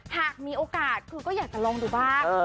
หากมีโอกาสคือก็อยากจะลองดูบ้าง